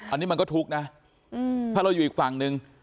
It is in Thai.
อันนี้มันก็ทุกข์นะถ้าเราอยู่อีกฝั่งนึง